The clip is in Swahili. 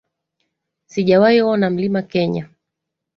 Sijawahi ona mlima Kenya